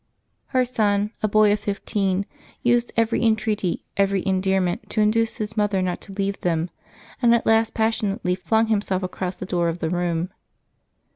Her son, a boy of fifteen, used every entreaty, every endearment, to in duce his mother not to leave them, and at last passionately flung himself across the door of the room.